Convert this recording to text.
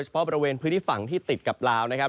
เพราะบริเวณพื้นที่ฝั่งที่ติดกับลาวนะครับ